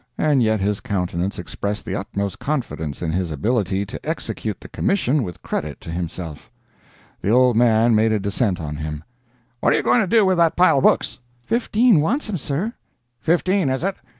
And yet his countenance expressed the utmost confidence in his ability to execute the commission with credit to himself. The old man made a descent on him: "What are you going to do with that pile of books?" "Fifteen wants 'em, sir." "Fifteen, is it?